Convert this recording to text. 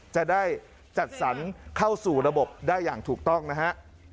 จะได้จัดสรรเข้าสู่ระบบได้อย่างถูกต้องนะฮะ